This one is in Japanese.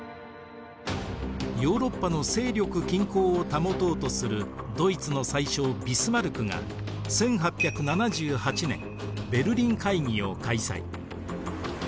ヨーロッパの勢力均衡を保とうとするドイツの宰相ビスマルクが１８７８年ベルリン会議を開催。